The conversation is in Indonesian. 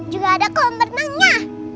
juga ada kolam berenangnya